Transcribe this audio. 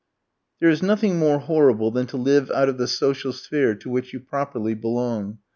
There is nothing more horrible than to live out of the social sphere to which you properly belong.